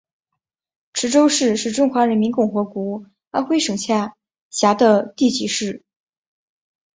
池州市是中华人民共和国安徽省下辖的地级市。